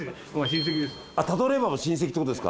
親戚です。